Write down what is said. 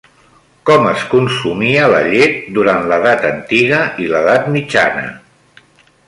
Com es consumia la llet durant l'edat antiga i l'edat mitjana?